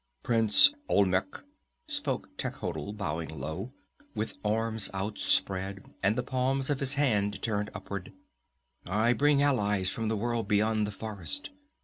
"Prince Olmec," spoke Techotl, bowing low, with arms outspread and the palms of his hands turned upward, "I bring allies from the world beyond the forest.